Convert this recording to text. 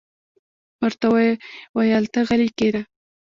ورته ویې ویل: ته غلې کېنه.